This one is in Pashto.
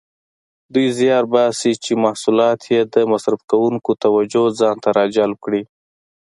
دوی زیار باسي چې محصولات یې د مصرف کوونکو توجه ځانته راجلب کړي.